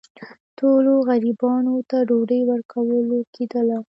ټولو غریبانو ته ډوډۍ ورکول کېدله.